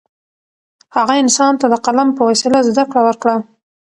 هغه انسان ته د قلم په وسیله زده کړه ورکړه.